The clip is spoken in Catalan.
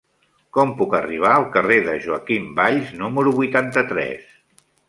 Com puc arribar al carrer de Joaquim Valls número vuitanta-tres?